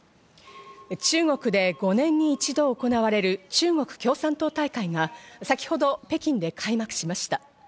中国で５年に一度行われる、中国共産党大会が先ほど北京で開幕しました。